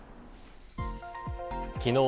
きのう